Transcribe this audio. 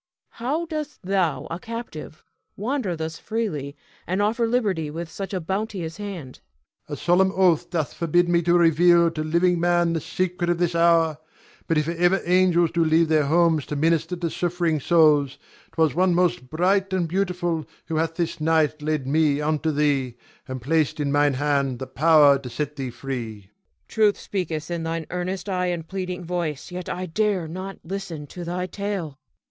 How dost thou, a captive, wander thus freely, and offer liberty with such a bounteous hand? Ion. A solemn oath doth forbid me to reveal to living man the secret of this hour; but if ever angels do leave their homes to minister to suffering souls, 'twas one most bright and beautiful who hath this night led me unto thee, and placed in mine hand the power to set thee free. Cleon. Truth speaketh in thine earnest eye and pleading voice, and yet I dare not listen to thy tale.